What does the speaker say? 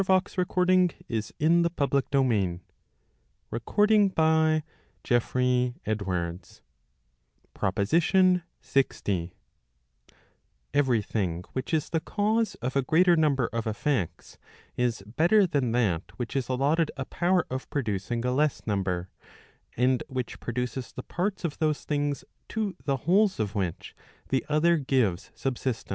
And there is the same reasoning in all things, ^PROPOSITION LX, Every thing which is the cause of a greater number of effects, is better than that which is allotted a power of producing a less number, and which produces the parts of those things to the wholes of which the other gives subsistence.